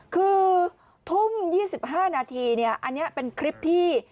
คือทุ่ม๒๕นาทีอันนี้เป็นคลิปที่